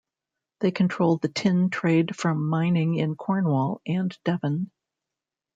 They controlled the tin trade from mining in Cornwall and Devon.